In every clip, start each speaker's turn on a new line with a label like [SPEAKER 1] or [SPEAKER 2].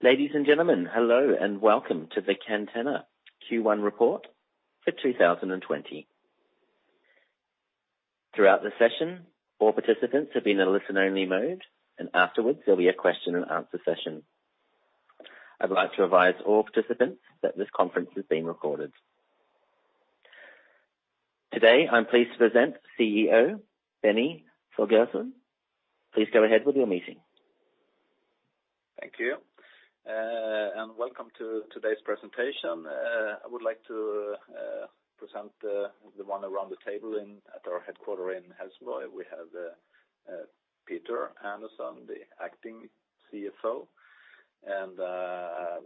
[SPEAKER 1] Ladies and gentlemen, hello and welcome to the Catena Q1 report for 2020. Throughout the session, all participants have been in listen-only mode, and afterwards there'll be a question-and-answer session. I'd like to advise all participants that this conference is being recorded. Today, I'm pleased to present CEO Benny Thögersen. Please go ahead with your meeting.
[SPEAKER 2] Thank you, and welcome to today's presentation. I would like to present the ones around the table at our headquarters in Helsingborg. We have Peter Andersson, the Acting CFO, and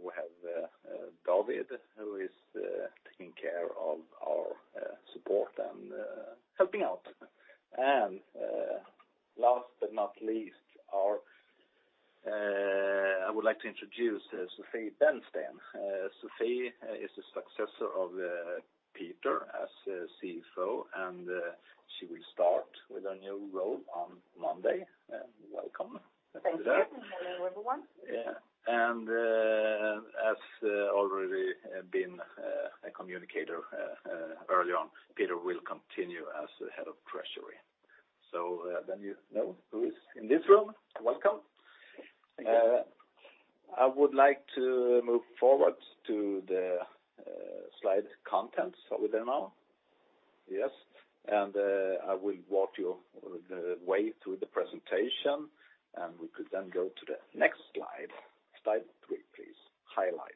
[SPEAKER 2] we have David, who is taking care of our support and helping out. Last but not least, I would like to introduce Sofie Bennsten. Sofie is the successor of Peter as CFO, and she will start with her new role on Monday. Welcome.
[SPEAKER 3] you for joining this morning, everyone.
[SPEAKER 2] Yeah. And as already been communicated early on, Peter will continue as the head of treasury. So then you know who is in this room. Welcome. I would like to move forward to the slide contents over there now. Yes. And I will walk you through the presentation, and we could then go to the next slide. Slide three, please. Highlights.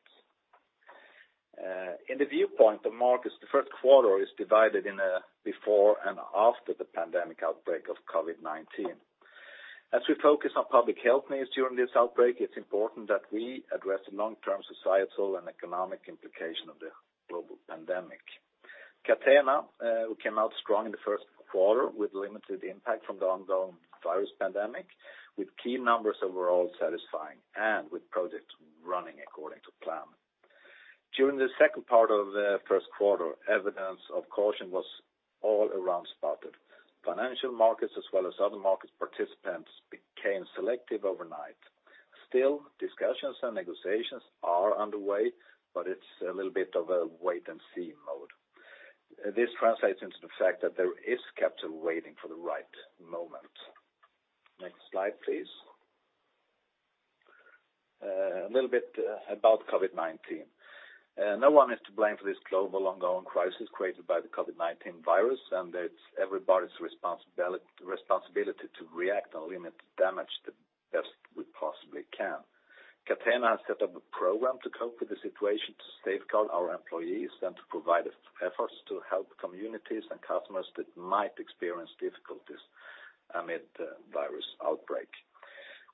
[SPEAKER 2] In the viewpoint of markets, the first quarter is divided in a before and after the pandemic outbreak of COVID-19. As we focus on public health needs during this outbreak, it's important that we address the long-term societal and economic implications of the global pandemic. Catena, we came out strong in the first quarter with limited impact from the ongoing virus pandemic, with key numbers overall satisfying and with projects running according to plan. During the second part of the first quarter, evidence of caution was all around spotted. Financial markets, as well as other market participants, became selective overnight. Still, discussions and negotiations are underway, but it's a little bit of a wait-and-see mode. This translates into the fact that there is capital waiting for the right moment. Next slide, please. A little bit about COVID-19. No one is to blame for this global ongoing crisis created by the COVID-19 virus, and it's everybody's responsibility to react and limit the damage the best we possibly can. Catena has set up a program to cope with the situation, to safeguard our employees, and to provide efforts to help communities and customers that might experience difficulties amid the virus outbreak.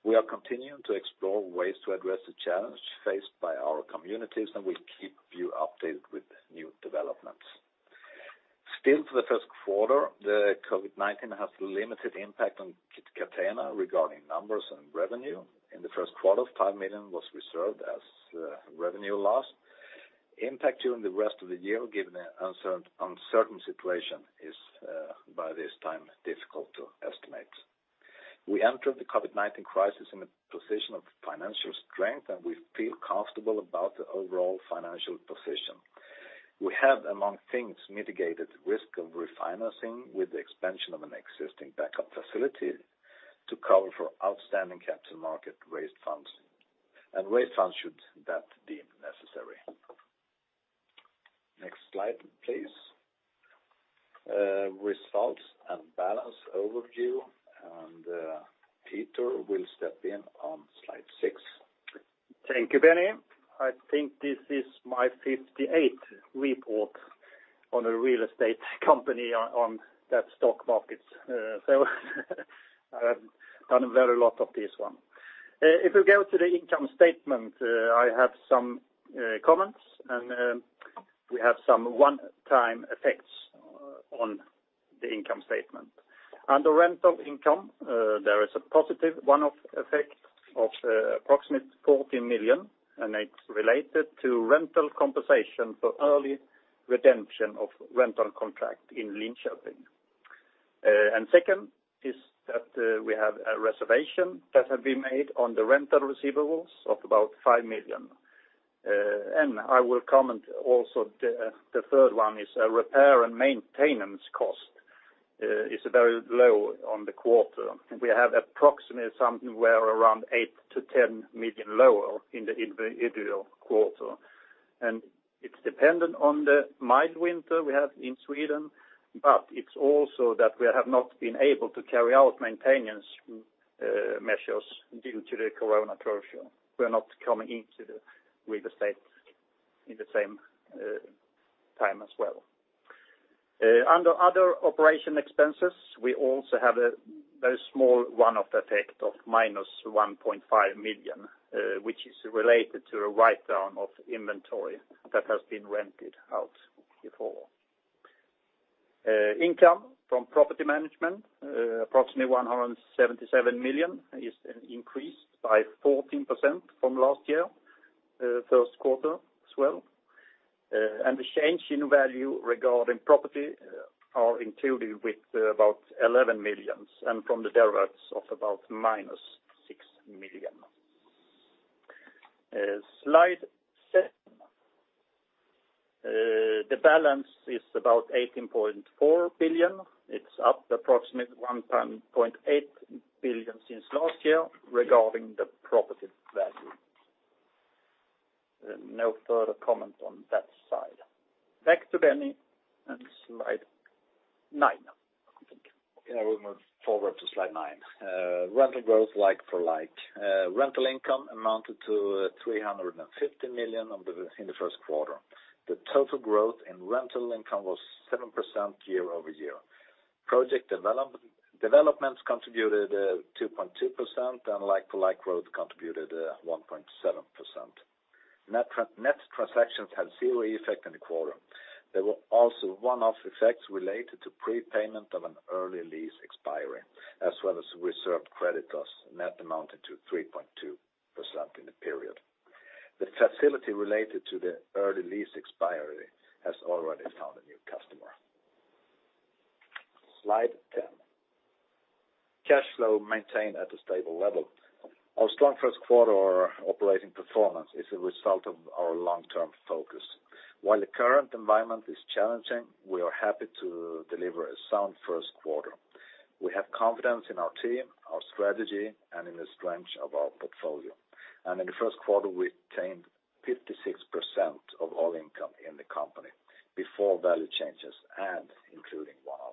[SPEAKER 2] We are continuing to explore ways to address the challenge faced by our communities, and we'll keep you updated with new developments. Still, for the first quarter, the COVID-19 has limited impact on Catena regarding numbers and revenue. In the first quarter, five million was reserved as revenue loss. Impact during the rest of the year, given the uncertain situation, is by this time difficult to estimate. We entered the COVID-19 crisis in a position of financial strength, and we feel comfortable about the overall financial position. We have, among things, mitigated the risk of refinancing with the expansion of an existing backup facility to cover for outstanding capital market raised funds, and raised funds should that be necessary. Next slide, please. Results and balance overview, and Peter will step in on slide six.
[SPEAKER 4] Thank you, Benny. I think this is my 58th report on a real estate company on that stock market, so I've done a very lot of this one. If we go to the income statement, I have some comments, and we have some one-time effects on the income statement. Under rental income, there is a positive one-off effect of approximately 14 million, and it's related to rental compensation for early redemption of rental contract in Linköping, and second is that we have a reservation that has been made on the rental receivables of about 5 million, and I will comment also the third one is a repair and maintenance cost is very low on the quarter. We have approximately something where around 8 million-10 million lower in the individual quarter. It's dependent on the mild winter we have in Sweden, but it's also that we have not been able to carry out maintenance measures due to the corona closure. We're not coming into the real estate in the same time as well. Under other operation expenses, we also have a very small one-off effect of -1.5 million, which is related to a write-down of inventory that has been rented out before. Income from property management, approximately 177 million, is increased by 14% from last year, first quarter as well. And the change in value regarding property is included with about 11 million, and from the derivatives of about -6 million. Slide seven. The balance is about 18.4 billion. It's up approximately 1.8 billion since last year regarding the property value. No further comment on that side. Back to Benny and slide nine, I think.
[SPEAKER 2] Yeah, we'll move forward to slide nine. Rental growth like for like. Rental income amounted to 350 million in the first quarter. The total growth in rental income was 7% year over year. Project developments contributed 2.2%, and like for like growth contributed 1.7%. Net transactions had zero effect in the quarter. There were also one-off effects related to prepayment of an early lease expiry, as well as reserved credit loss net amounted to 3.2% in the period. The facility related to the early lease expiry has already found a new customer. Slide 10. Cash flow maintained at a stable level. Our strong first quarter operating performance is a result of our long-term focus. While the current environment is challenging, we are happy to deliver a sound first quarter. We have confidence in our team, our strategy, and in the strength of our portfolio. In the first quarter, we attained 56% of all income in the company before value changes and including one-off effects.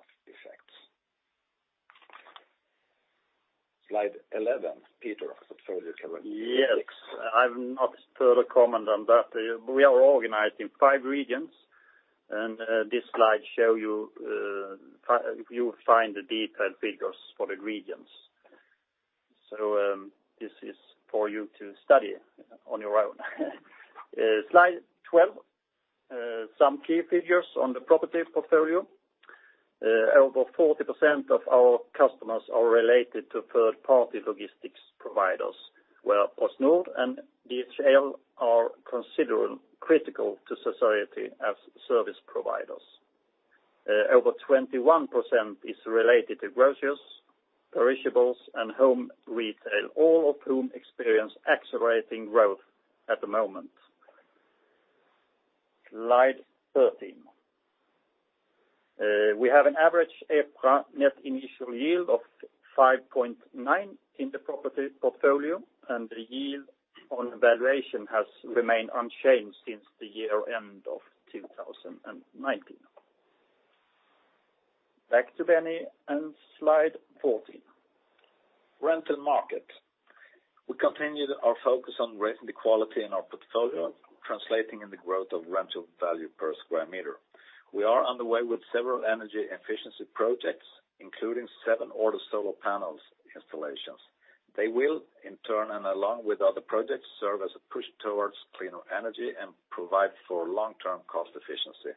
[SPEAKER 2] Slide 11. Peter, I'm not sure the comment on that. We are organized in five regions, and this slide shows you find the detailed figures for the regions. So this is for you to study on your own. Slide 12. Some key figures on the property portfolio. Over 40% of our customers are related to third-party logistics providers, where PostNord and DHL are considered critical to society as service providers. Over 21% is related to groceries, perishables, and home retail, all of whom experience accelerating growth at the moment. Slide 13. We have an average net initial yield of 5.9% in the property portfolio, and the yield on valuation has remained unchanged since the year end of 2019. Back to Benny and slide 14. Rental market. We continue our focus on raising the quality in our portfolio, translating into the growth of rental value per square meter. We are underway with several energy efficiency projects, including seven large solar panel installations. They will, in turn, and along with other projects, serve as a push towards cleaner energy and provide for long-term cost efficiency.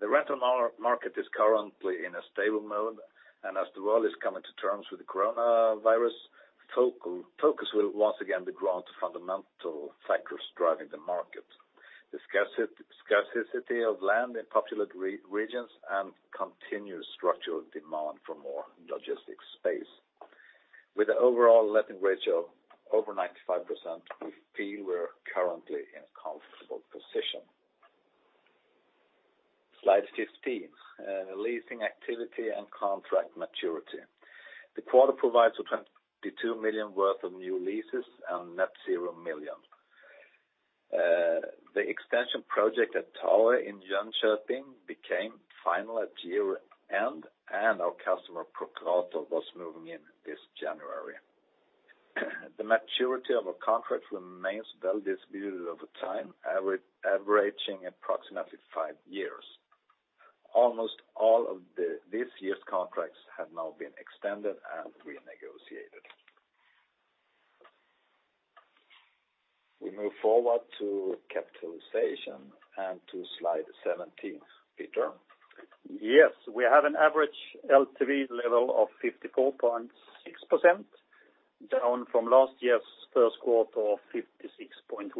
[SPEAKER 2] The rental market is currently in a stable mode, and as the world is coming to terms with the coronavirus, focus will once again be drawn to fundamental factors driving the market: the scarcity of land in populated regions and continued structural demand for more logistics space. With the overall letting ratio over 95%, we feel we're currently in a comfortable position. Slide 15. Leasing activity and contract maturity. The quarter provides for 22 million worth of new leases and net 0 million. The extension project at Tower in Jönköping became final at year end, and our customer Procurator was moving in this January. The maturity of our contract remains well distributed over time, averaging approximately five years. Almost all of this year's contracts have now been extended and renegotiated. We move forward to capitalization and to slide 17. Peter.
[SPEAKER 4] Yes, we have an average LTV level of 54.6%, down from last year's first quarter of 56.1%.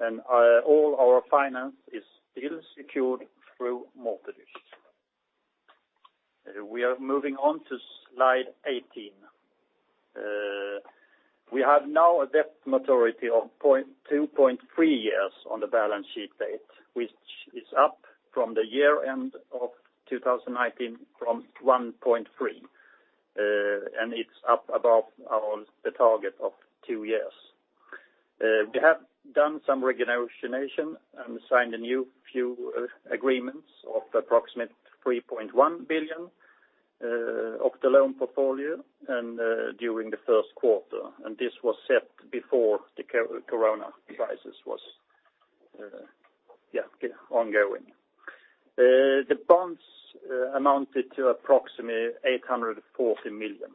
[SPEAKER 4] And all our finance is still secured through mortgage. We are moving on to slide 18. We have now a debt maturity of 2.3 years on the balance sheet date, which is up from the year end of 2019 from 1.3, and it's up above the target of two years. We have done some renegotiation and signed a new few agreements of approximately 3.1 billion of the loan portfolio during the first quarter, and this was set before the corona crisis was, yeah, ongoing. The bonds amounted to approximately 840 million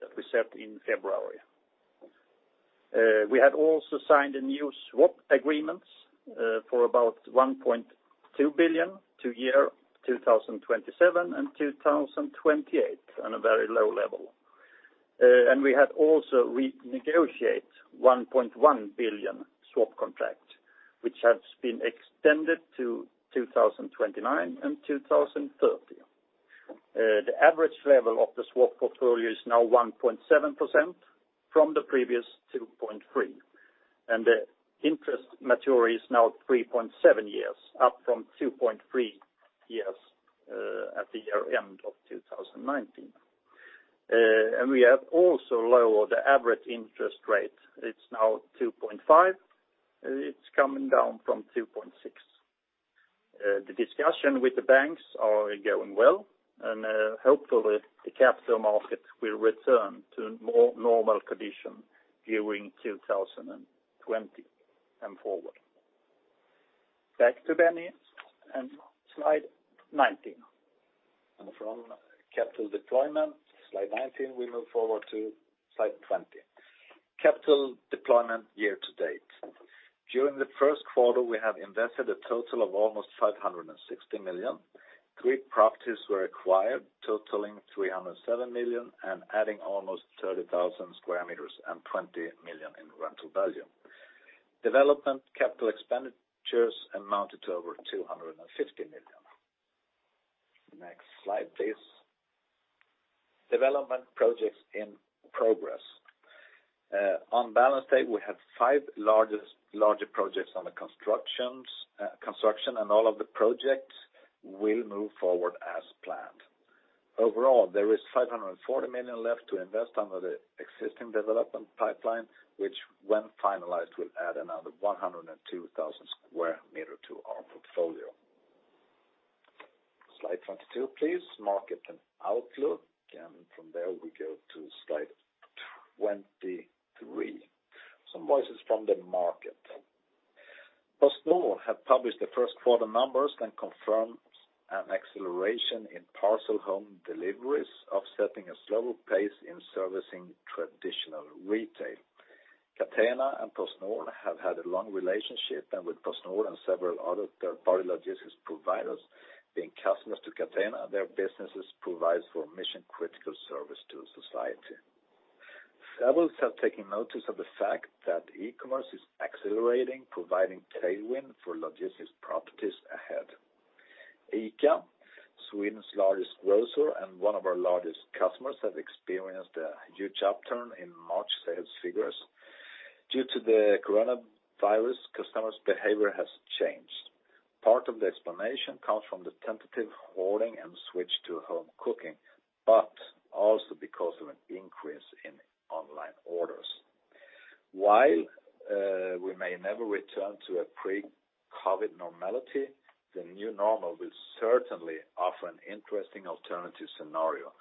[SPEAKER 4] that we set in February. We had also signed a new swap agreement for about 1.2 billion to year 2027 and 2028 on a very low level. We had also renegotiated 1.1 billion swap contract, which has been extended to 2029 and 2030. The average level of the swap portfolio is now 1.7% from the previous 2.3%, and the interest maturity is now 3.7 years, up from 2.3 years at the year end of 2019. And we have also lowered the average interest rate. It's now 2.5%. It's coming down from 2.6%. The discussion with the banks is going well, and hopefully, the capital market will return to more normal conditions during 2020 and forward. Back to Benny and slide 19.
[SPEAKER 2] And from capital deployment, slide 19, we move forward to slide 20. Capital deployment year to date. During the first quarter, we have invested a total of almost 560 million. Three properties were acquired, totaling 307 million and adding almost 30,000 square meters and 20 million in rental value. Development capital expenditures amounted to over 250 million. Next slide, please. Development projects in progress. On balance date, we have five larger projects under construction, and all of the projects will move forward as planned. Overall, there is 540 million left to invest under the existing development pipeline, which, when finalized, will add another 102,000 square meters to our portfolio. Slide 22, please. Market and outlook. And from there, we go to slide 23. Some voices from the market. PostNord has published the first quarter numbers and confirmed an acceleration in parcel home deliveries, offsetting a slow pace in servicing traditional retail. Catena and PostNord have had a long relationship, and with PostNord and several other third-party logistics providers, being customers to Catena, their businesses provide for mission-critical service to society. Several have taken notice of the fact that e-commerce is accelerating, providing tailwind for logistics properties ahead. ICA, Sweden's largest grocer and one of our largest customers, have experienced a huge upturn in March sales figures. Due to the coronavirus, customers' behavior has changed. Part of the explanation comes from the tentative hoarding and switch to home cooking, but also because of an increase in online orders. While we may never return to a pre-COVID normality, the new normal will certainly offer an interesting alternative scenario,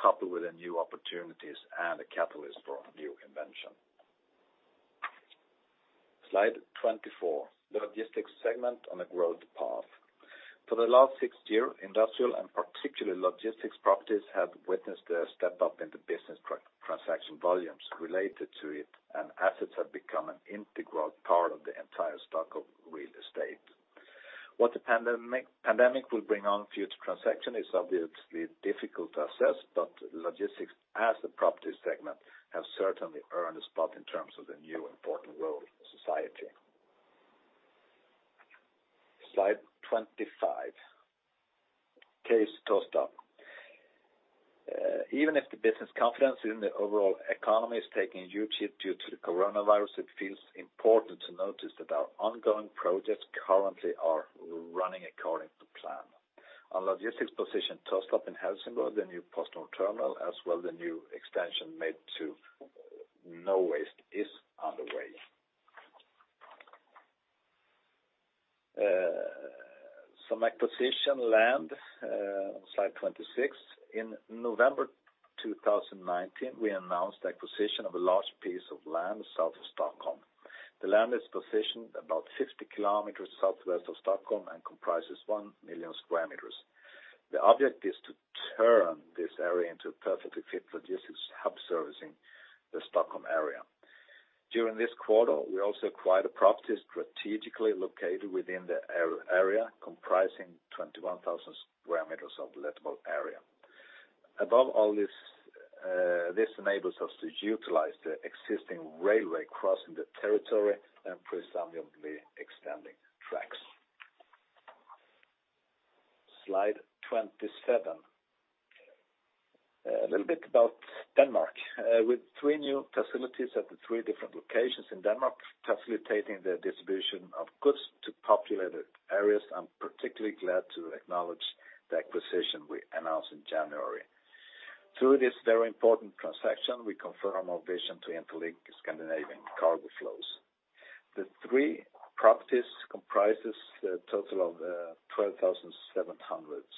[SPEAKER 2] coupled with new opportunities and a catalyst for new invention. Slide 24. Logistics segment on a growth path. For the last six years, industrial and particularly logistics properties have witnessed a step up in the business transaction volumes related to it, and assets have become an integral part of the entire stock of real estate. What the pandemic will bring on future transactions is obviously difficult to assess, but logistics as a property segment has certainly earned a spot in terms of the new important role in society. Slide 25. Case Tostarp. Even if the business confidence in the overall economy is taking a huge hit due to the coronavirus, it feels important to notice that our ongoing projects currently are running according to plan. On logistics position, Tostarp in Helsingborg, the new PostNord terminal, as well as the new extension in Norway, is underway. Some acquisition land. Slide 26. In November 2019, we announced the acquisition of a large piece of land south of Stockholm. The land is positioned about 50 km southwest of Stockholm and comprises 1 million sq m. The object is to turn this area into a perfectly fit logistics hub servicing the Stockholm area. During this quarter, we also acquired a property strategically located within the area, comprising 21,000 sq m of lettable area. Above all, this enables us to utilize the existing railway crossing the territory and presumably extending tracks. Slide 27. A little bit about Denmark. With three new facilities at the three different locations in Denmark, facilitating the distribution of goods to populated areas, I'm particularly glad to acknowledge the acquisition we announced in January. Through this very important transaction, we confirm our vision to interlink Scandinavian cargo flows. The three properties comprise a total of 12,700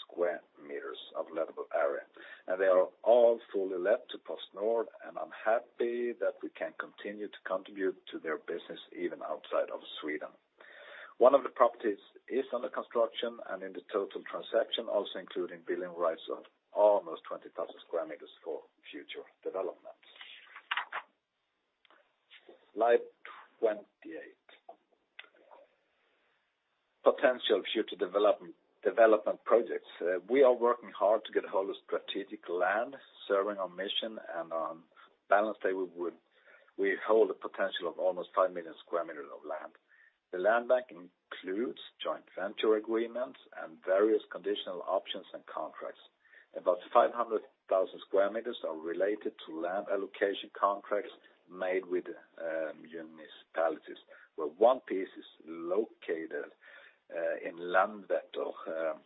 [SPEAKER 2] square meters of lettable area, and they are all fully let to PostNord, and I'm happy that we can continue to contribute to their business even outside of Sweden. One of the properties is under construction, and in the total transaction, also including building rights of almost 20,000 square meters for future development. Slide 28. Potential future development projects. We are working hard to get a whole strategic land serving our mission, and on balance date, we hold a potential of almost 5 million square meters of land. The land bank includes joint venture agreements and various conditional options and contracts. About 500,000 square meters are related to land allocation contracts made with municipalities, where one piece is located in Landvetter,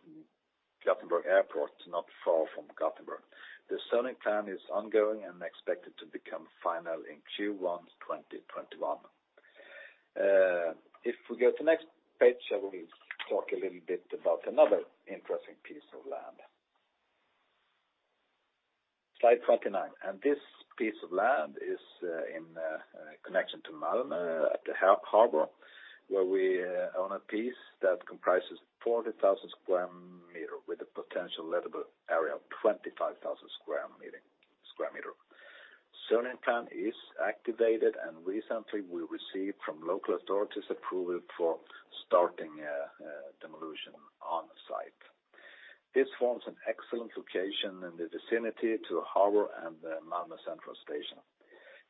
[SPEAKER 2] Gothenburg Airport, not far from Gothenburg. The selling plan is ongoing and expected to become final in Q1 2021. If we go to the next page, I will talk a little bit about another interesting piece of land. Slide 29. This piece of land is in connection to Malmö at the harbor, where we own a piece that comprises 40,000 square meters with a potential lettable area of 25,000 square meters. Selling plan is activated, and recently, we received from local authorities approval for starting demolition on the site. This forms an excellent location in the vicinity to Harbor and Malmö Central Station.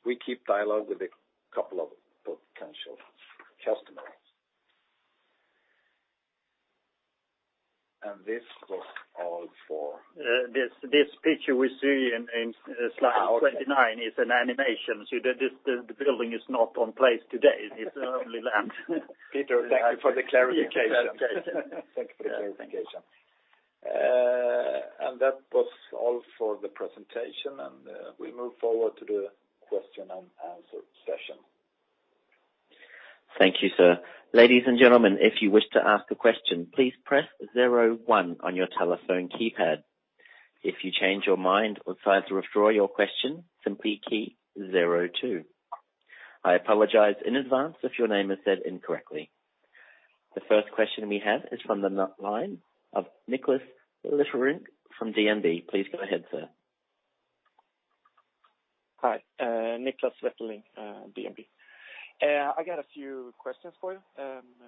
[SPEAKER 2] We keep dialogue with a couple of potential customers. This was all for. This picture we see in slide 29 is an animation. The building is not in place today. It's only land. Peter, thank you for the clarification. Thank you for the clarification. That was all for the presentation, and we move forward to the question and answer session.
[SPEAKER 1] Thank you, sir. Ladies and gentlemen, if you wish to ask a question, please press 01 on your telephone keypad. If you change your mind or decide to withdraw your question, simply key 02. I apologize in advance if your name is said incorrectly. The first question we have is from the line of Niklas Wetterling from DNB. Please go ahead, sir.
[SPEAKER 5] Hi. Niklas Wetterling, DNB. I got a few questions for you.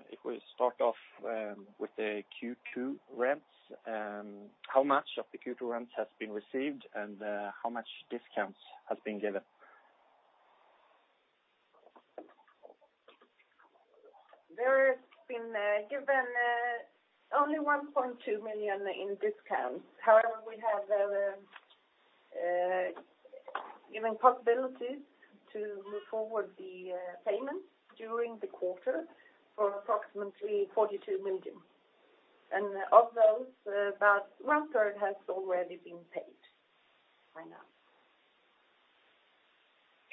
[SPEAKER 5] If we start off with the Q2 rents, how much of the Q2 rents has been received, and how much discounts have been given?
[SPEAKER 3] There has been given only 1.2 million in discounts. However, we have given possibilities to move forward the payments during the quarter for approximately 42 million. And of those, about one-third has already been paid right now.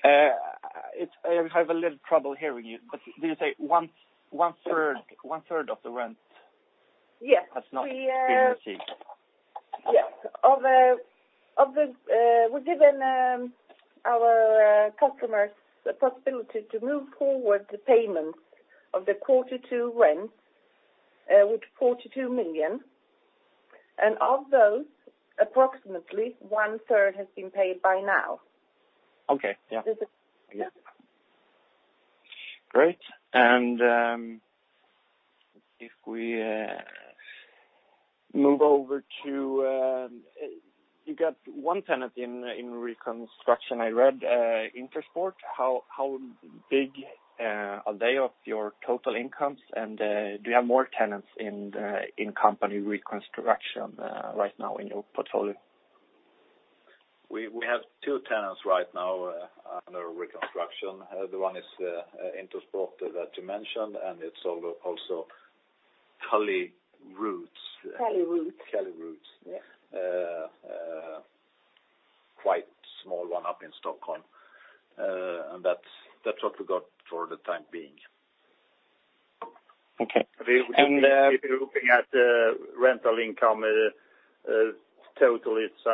[SPEAKER 5] I have a little trouble hearing you. Did you say one-third of the rent has not been received?
[SPEAKER 3] Yes. We've given our customers the possibility to move forward the payments of the quarter two rent with 42 million. And of those, approximately one-third has been paid by now.
[SPEAKER 5] Okay. Yeah. Great. And if we move over to you got one tenant in reconstruction, I read, Intersport. How big are they of your total incomes, and do you have more tenants in company reconstruction right now in your portfolio?
[SPEAKER 2] We have two tenants right now under reconstruction. The one is Intersport that you mentioned, and it's also Caliroots.
[SPEAKER 3] Caliroots.
[SPEAKER 2] Caliroots. Quite small one up in Stockholm. And that's what we got for the time being.
[SPEAKER 5] Okay. And.
[SPEAKER 2] If you're looking at the rental income total, it's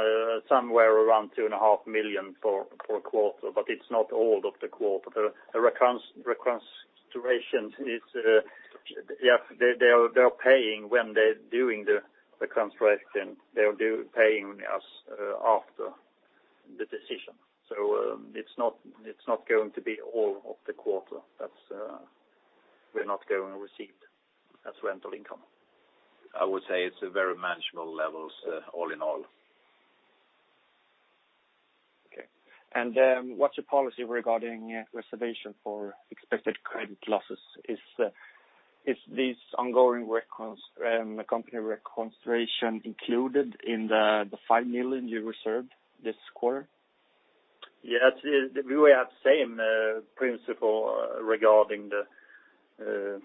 [SPEAKER 2] somewhere around 2.5 million for a quarter, but it's not all of the quarter. The reconstruction is they are paying when they're doing the reconstruction. They're paying us after the decision. So it's not going to be all of the quarter that we're not going to receive as rental income. I would say it's a very manageable level all in all.
[SPEAKER 5] Okay. And what's your policy regarding reservation for expected credit losses? Is this ongoing company reconstruction included in the 5 million you reserved this quarter?
[SPEAKER 2] Yes. We have the same principle regarding the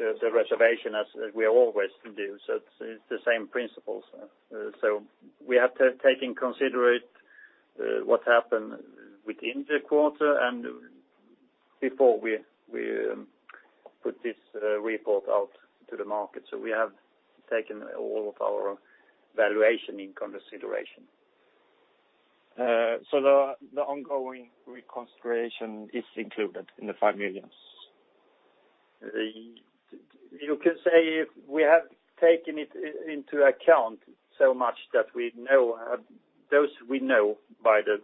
[SPEAKER 2] reservation as we always do. So it's the same principles. So we have to take into consideration what happened within the quarter and before we put this report out to the market. So we have taken all of our valuation in consideration.
[SPEAKER 5] So the ongoing reconstruction is included in the 5 million?
[SPEAKER 2] You can say we have taken it into account so much that we know those by the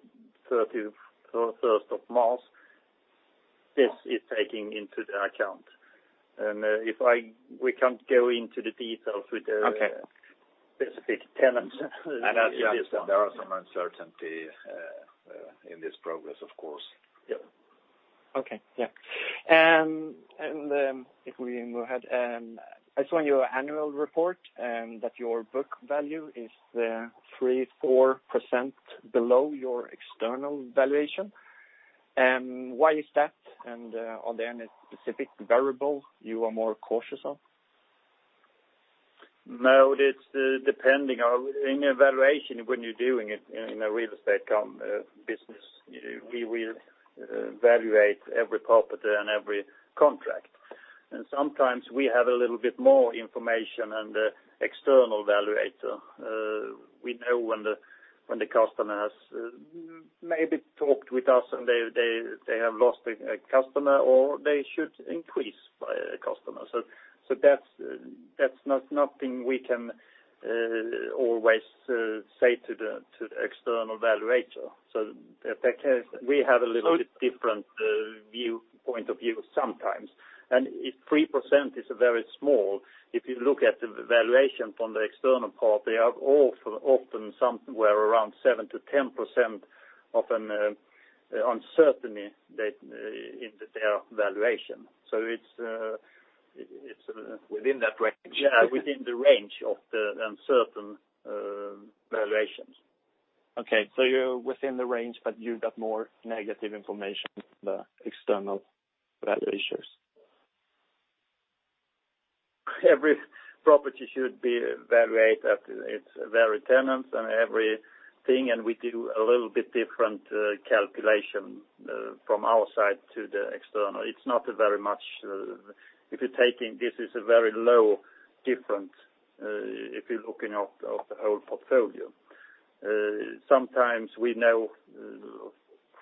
[SPEAKER 2] 31st of March; this is taking into account. We can't go into the details with the specific tenants. As you understand, there are some uncertainties in this progress, of course.
[SPEAKER 5] If we move ahead, I saw in your annual report that your book value is 3.4% below your external valuation. Why is that? And are there any specific variables you are more cautious of?
[SPEAKER 2] No. It's depending on any evaluation when you're doing it in a real estate business. We will evaluate every property and every contract. And sometimes we have a little bit more information than the external valuator. We know when the customer has maybe talked with us and they have lost a customer or they should increase by a customer. So that's nothing we can always say to the external valuator. So we have a little bit different viewpoint of view sometimes. And 3% is very small. If you look at the valuation from the external part, they have often somewhere around 7%-10% of an uncertainty in their valuation. So it's.
[SPEAKER 5] Within that range.
[SPEAKER 2] Yeah. Within the range of the uncertain valuations.
[SPEAKER 5] Okay, so you're within the range, but you got more negative information from the external valuations.
[SPEAKER 2] Every property should be evaluated. It's varying tenants and everything, and we do a little bit different calculation from our side to the external. It's not very much if you're taking this is a very low difference if you're looking at the whole portfolio. Sometimes we know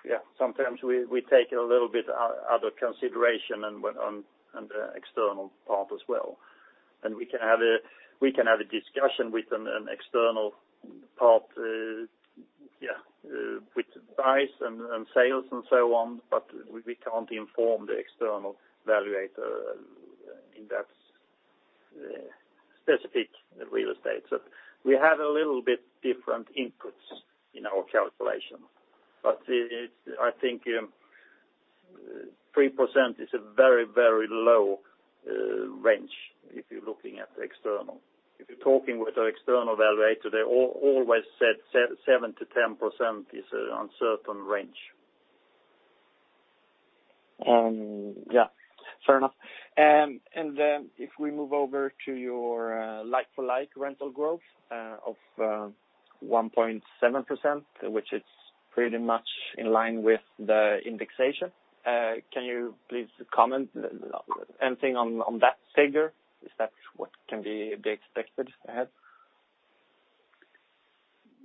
[SPEAKER 2] yeah. Sometimes we take a little bit other consideration on the external part as well, and we can have a discussion with an external part, yeah, with price and sales and so on, but we can't inform the external valuator in that specific real estate, so we have a little bit different inputs in our calculation, but I think 3% is a very, very low range if you're looking at the external. If you're talking with an external valuator, they always said 7%-10% is an uncertain range.
[SPEAKER 5] Yeah. Fair enough, and if we move over to your like-for-like rental growth of 1.7%, which is pretty much in line with the indexation, can you please comment anything on that figure? Is that what can be expected ahead?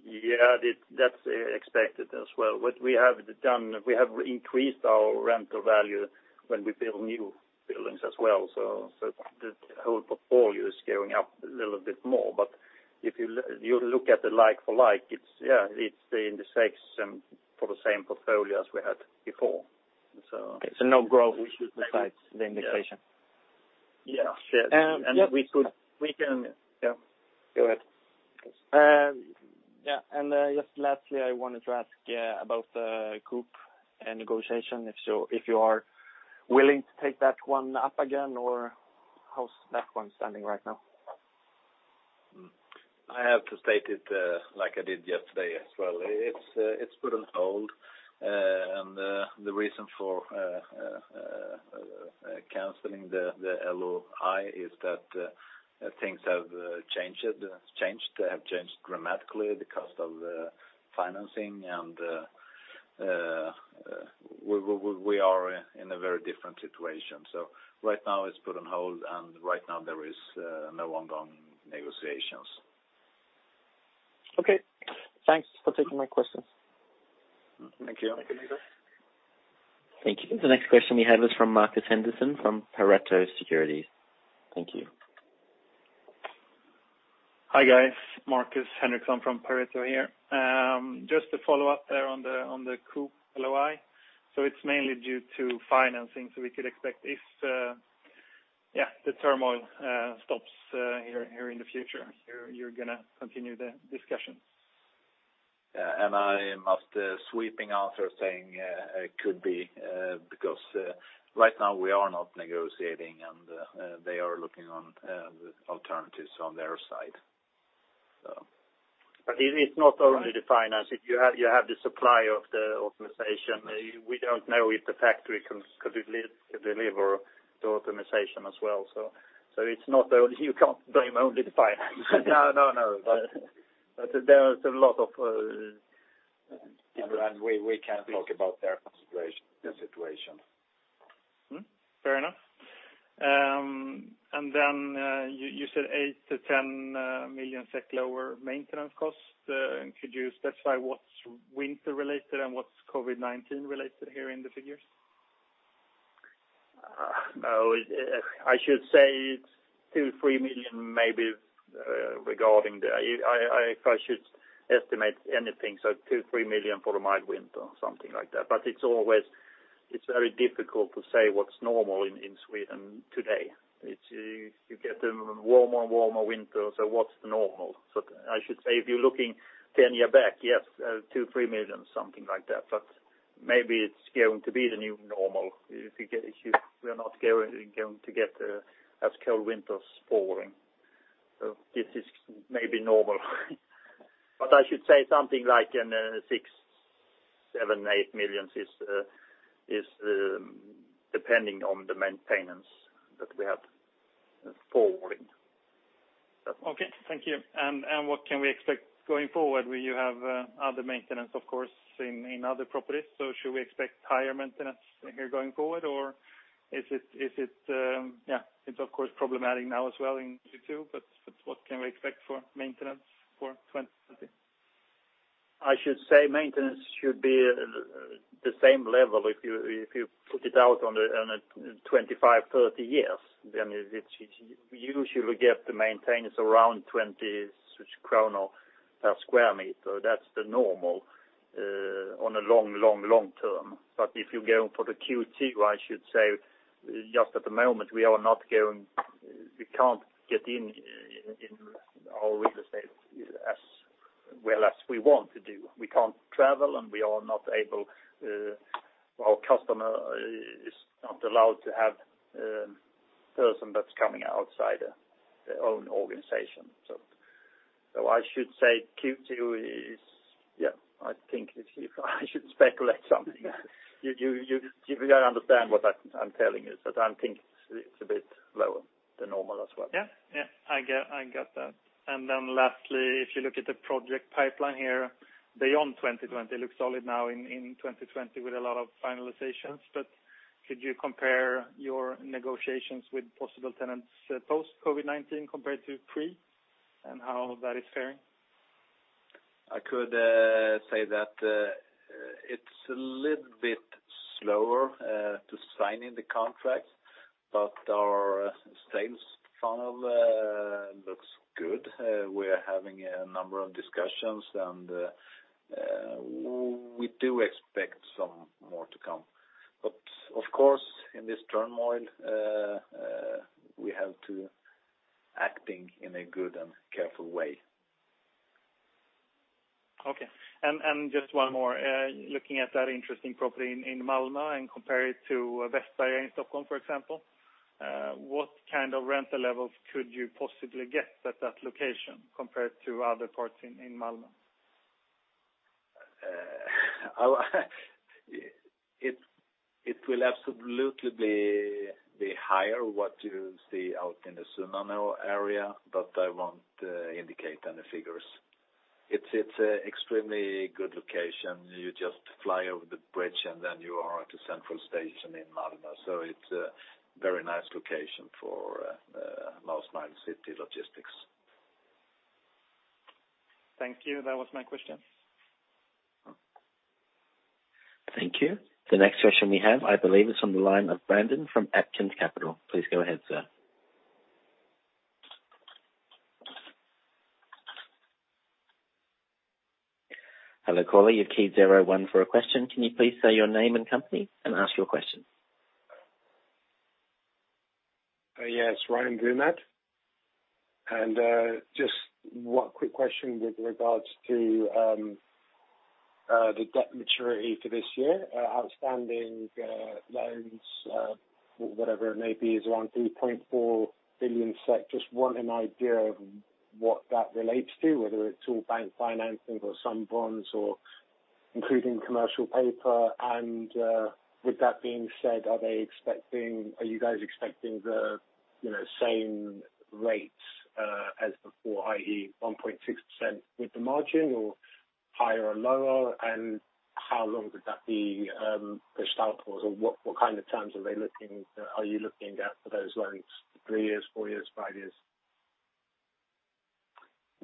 [SPEAKER 2] Yeah. That's expected as well. What we have done, we have increased our rental value when we build new buildings as well. So the whole portfolio is going up a little bit more. But if you look at the like-for-like, yeah, it's in the same for the same portfolio as we had before.
[SPEAKER 5] So no growth besides the indexation.
[SPEAKER 2] Yeah. Yeah. And we can.
[SPEAKER 5] Yeah. Go ahead.
[SPEAKER 2] Yeah. And just lastly, I wanted to ask about the group negotiation, if you are willing to take that one up again, or how's that one standing right now? I have to state it like I did yesterday as well. It's put on hold. And the reason for canceling the LOI is that things have changed. They have changed dramatically, the cost of financing. And we are in a very different situation. So right now, it's put on hold, and right now, there is no ongoing negotiations.
[SPEAKER 5] Okay. Thanks for taking my questions.
[SPEAKER 2] Thank you.
[SPEAKER 1] Thank you. The next question we have is from Markus Henriksson from Pareto Securities. Thank you.
[SPEAKER 6] Hi, guys. Markus Henriksson from Pareto Securities here. Just to follow up there on the Coop LOI. So it's mainly due to financing. So we could expect if, yeah, the turmoil stops here in the future, you're going to continue the discussion.
[SPEAKER 2] I am of the sweeping answer saying it could be because right now, we are not negotiating, and they are looking on alternatives on their side.
[SPEAKER 6] But it's not only the finance. You have the supply of the automation. We don't know if the factory can deliver the automation as well. So it's not only. You can't blame only the finance.
[SPEAKER 2] No, no, no. But there's a lot of different we can talk about their situation.
[SPEAKER 6] Fair enough. And then you said 8 million-10 million SEK lower maintenance costs. Could you specify what's winter-related and what's COVID-19-related here in the figures?
[SPEAKER 2] No. I should say 2 million-3 million maybe regarding the if I should estimate anything, so 2 million-3 million for a mild winter or something like that. But it's always very difficult to say what's normal in Sweden today. You get a warmer and warmer winter, so what's the normal? So I should say if you're looking 10 years back, yes, 2 million-3 million, something like that. But maybe it's going to be the new normal if we're not going to get as cold winters anymore. So this is maybe normal. But I should say something like 6 million-8 million is depending on the maintenance that we have ongoing.
[SPEAKER 6] Okay. Thank you. And what can we expect going forward? You have other maintenance, of course, in other properties. So should we expect higher maintenance here going forward, or is it, of course, problematic now as well in Q2? But what can we expect for maintenance for 2020?
[SPEAKER 2] I should say maintenance should be the same level. If you put it out on a 25-30 years, then you usually get to maintain around 20 crown per square meter. That's the normal on a long, long, long term. But if you're going for the Q2, I should say just at the moment, we are not going we can't get in our real estate as well as we want to do. We can't travel, and we are not able our customer is not allowed to have a person that's coming outside their own organization. So I should say Q2 is yeah. I think if I should speculate something, you got to understand what I'm telling you. So I think it's a bit lower than normal as well.
[SPEAKER 6] Yeah. Yeah. I get that. And then lastly, if you look at the project pipeline here, beyond 2020, it looks solid now in 2020 with a lot of finalizations. But could you compare your negotiations with possible tenants post-COVID-19 compared to pre, and how that is faring?
[SPEAKER 2] I could say that it's a little bit slower to sign in the contracts, but our sales funnel looks good. We are having a number of discussions, and we do expect some more to come. But of course, in this turmoil, we have to act in a good and careful way.
[SPEAKER 6] Okay. And just one more. Looking at that interesting property in Malmö and compare it to Västberga in Stockholm, for example, what kind of rental levels could you possibly get at that location compared to other parts in Malmö?
[SPEAKER 2] It will absolutely be higher what you see out in the Sunnanå area, but I won't indicate any figures. It's an extremely good location. You just fly over the bridge, and then you are at the central station in Malmö. So it's a very nice location for most Malmö City logistics.
[SPEAKER 6] Thank you. That was my question.
[SPEAKER 1] Thank you. The next question we have, I believe, is from the line of Brandon from Atkins Capital. Please go ahead, sir. Hello, caller. You've queued for a question. Can you please say your name and company and ask your question?
[SPEAKER 7] Yes. Ryan Brunet. And just one quick question with regards to the debt maturity for this year. Outstanding loans, whatever it may be, is around 3.4 billion SEK. Just want an idea of what that relates to, whether it's all bank financing or some bonds or including commercial paper. And with that being said, are you guys expecting the same rates as before, i.e., 1.6% with the margin or higher or lower? And how long would that be pushed outwards? Or what kind of terms are you looking at for those loans? Three years, four years, five years?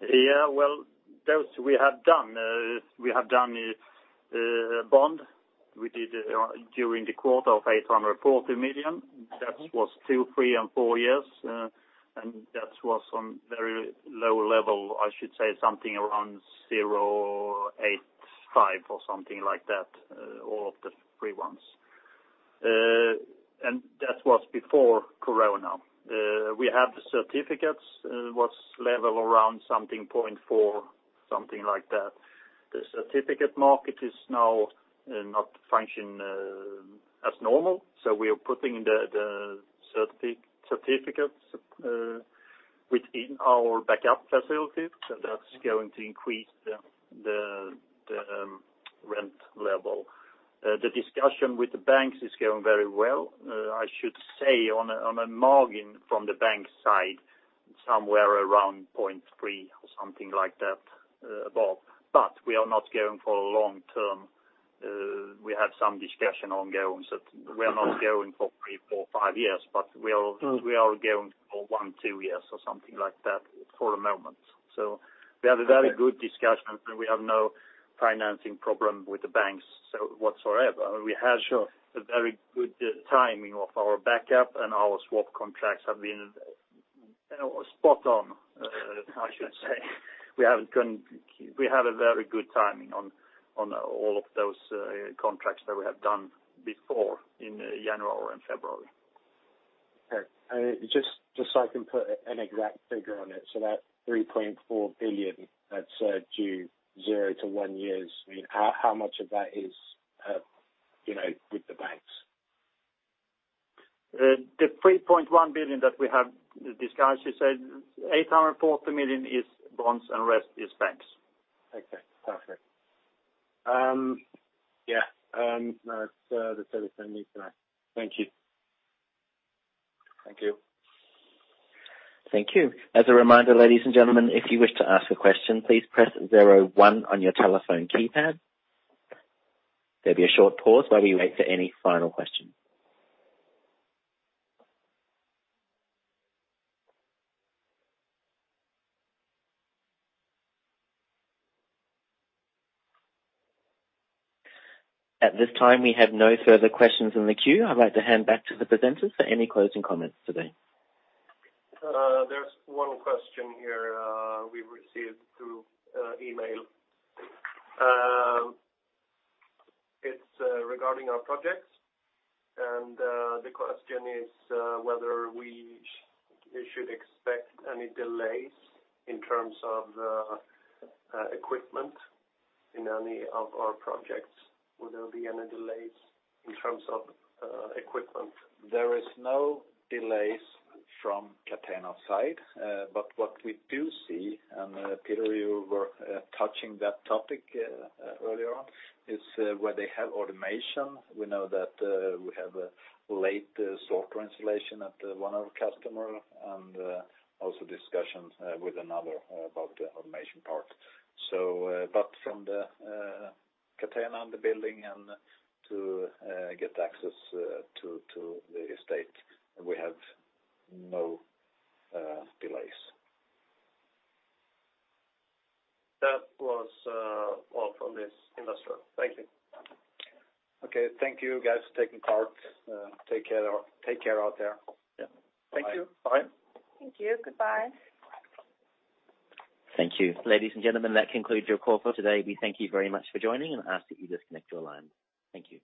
[SPEAKER 2] Yeah. Well, those we have done. We have done a bond. We did during the quarter [a bond] of 840 million SEK. That was two, three, and four years. And that was on very low level. I should say something around 0.85% or something like that, all of the three ones. And that was before Corona. We have the certificates. It was [at a] level around something [like] 0.4%, something like that. The certificate market is now not functioning as normal. So we are putting the certificates within our backup facility. So that's going to increase the rent level. The discussion with the banks is going very well. I should say [the] margin from the bank side [is] somewhere around 0.3% or something like that above. But we are not going for a long term. We have some discussion ongoing. So we are not going for three, four, five years, but we are going for one, two years or something like that for the moment. So we have a very good discussion, and we have no financing problem with the banks whatsoever. We had a very good timing of our backup, and our swap contracts have been spot on, I should say. We have a very good timing on all of those contracts that we have done before in January and February.
[SPEAKER 7] Okay. Just so I can put an exact figure on it, so that 3.4 billion SEK that's due 0-1 years, I mean, how much of that is with the banks?
[SPEAKER 2] The 3.1 billion that we have discussed, you said 840 million is bonds, and the rest is banks.
[SPEAKER 7] Okay. Perfect.
[SPEAKER 2] Yeah. That's everything I need to know.
[SPEAKER 7] Thank you.
[SPEAKER 2] Thank you.
[SPEAKER 1] Thank you. As a reminder, ladies and gentlemen, if you wish to ask a question, please press 01 on your telephone keypad. There'll be a short pause while we wait for any final questions. At this time, we have no further questions in the queue. I'd like to hand back to the presenters for any closing comments today.
[SPEAKER 4] There's one question here we received through email. It's regarding our projects. And the question is whether we should expect any delays in terms of equipment in any of our projects. Will there be any delays in terms of equipment?
[SPEAKER 2] There are no delays from Catena side. But what we do see, and Peter, you were touching that topic earlier on, is where they have automation. We know that we have a late software installation at one of our customers and also discussions with another about the automation part. But from the Catena and the building and to get access to the estate, we have no delays.
[SPEAKER 4] That was all from this investor. Thank you.
[SPEAKER 2] Okay. Thank you, guys, for taking part. Take care out there.
[SPEAKER 4] Yeah. Thank you. Bye.
[SPEAKER 3] Thank you. Goodbye.
[SPEAKER 1] Thank you. Ladies and gentlemen, that concludes your call for today. We thank you very much for joining and ask that you disconnect your line. Thank you.